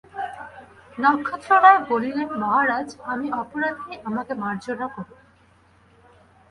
নক্ষত্ররায় বলিলেন, মহারাজ, আমি অপরাধী, আমাকে মার্জনা করুন।